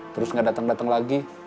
terus gak dateng dateng lagi